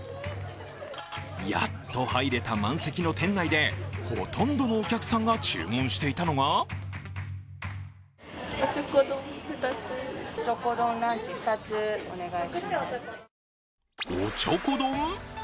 やっと入れた満席の店内で、ほとんどのお客さんが注文していたのがおちょこ丼？